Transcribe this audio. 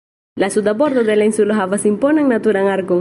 La suda bordo de la insulo havas imponan naturan arkon.